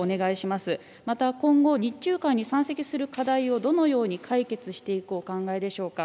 また、今後、日中間に山積する課題をどのように解決していくお考えでしょうか。